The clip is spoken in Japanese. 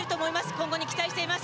今後に期待しています。